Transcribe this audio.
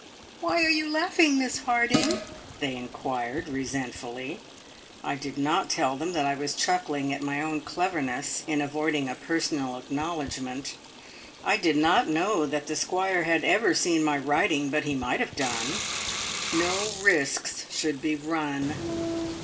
"Why are you laughing, Miss Harding?" they inquired resentfully. I did not tell them that I was chuckling at my own cleverness in avoiding a personal acknowledgment. I did not know that the Squire had ever seen my writing, but he might have done. No risks should be run.